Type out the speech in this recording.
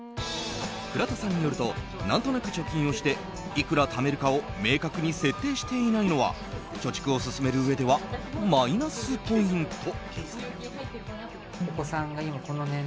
倉田さんによると何となく貯金をしていくらためるかを明確に設定していないのは貯蓄を進めるうえではマイナスポイント。